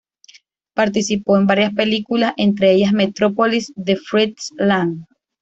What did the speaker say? Participó en varias películas entre ellas Metrópolis de Fritz Lang.